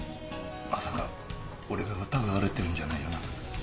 まさか俺が疑われてるんじゃないよな。